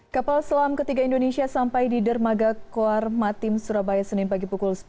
kapal selam ketiga indonesia sampai di dermaga koar matim surabaya senin pagi pukul sepuluh